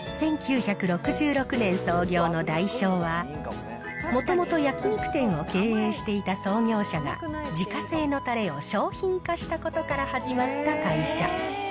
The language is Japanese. １９６６年創業のダイショーは、もともと焼肉店を経営していた創業者が、自家製のたれを商品化したことから始まった会社。